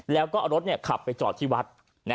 แล้วลดไปจอดที่วัด